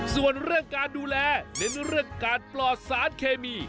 ส่วนเรื่องการดูแลเน้นเรื่องการปลอดสารเคมี